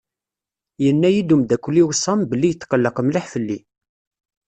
Yenna-yi-d umdakel-iw Sam belli yetqelleq mliḥ fell-i.